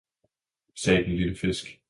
sagde den lille fisk.